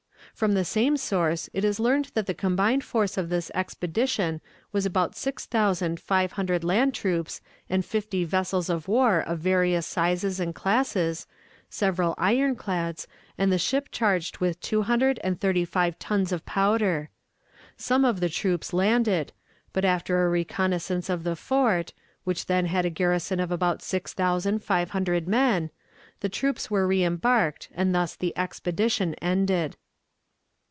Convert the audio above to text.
From the same source it is learned that the combined force of this expedition was about six thousand five hundred land troops and fifty vessels of war of various sizes and classes, several ironclads, and the ship charged with two hundred and thirty five tons of powder. Some of the troops landed, but after a reconnaissance of the fort, which then had a garrison of about six thousand five hundred men, the troops were reembarked, and thus the expedition ended.